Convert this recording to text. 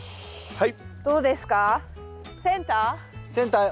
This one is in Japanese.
はい。